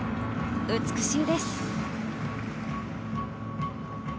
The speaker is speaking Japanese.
美しいです。